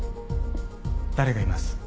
誰がいます？